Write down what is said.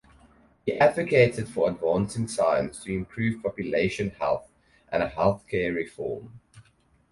He advocated for advancing science to improve population health and healthcare reform.